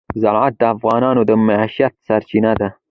زراعت د افغانانو د معیشت سرچینه ده.